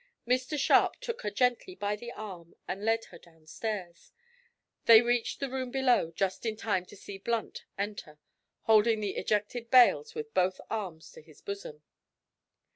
Mr Sharp took her gently by the arm and led her down stairs. They reached the room below just in time to see Blunt enter, holding the ejected bales with both arms to his bosom.